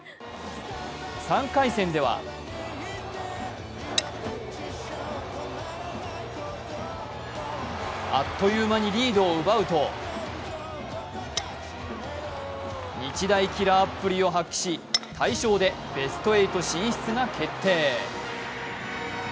３回戦ではあっという間にリードを奪うと、日大キラーっぷりを発揮し、大勝でベスト８進出が決定。